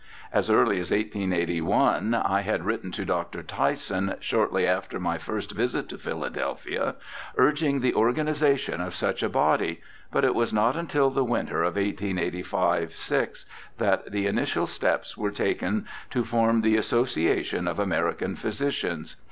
As early as 1881 I had written to Dr. Tyson, shortly after my first visit to Philadelphia, urging the organization of such a body, but it was not until the winter of 1885 6 that the initial steps were taken to form the 'Association of American Physicians'.